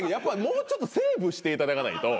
もうちょっとセーブしていただかないと。